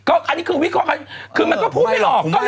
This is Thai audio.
อันนี้คือวิเคราะห์คือมันก็พูดไม่หลอกก็เลยโกรธ